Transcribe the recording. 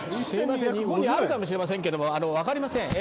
日本にあるかもしれませんけど、分かりません。